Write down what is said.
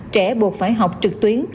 trẻ buộc phải học trực tuyến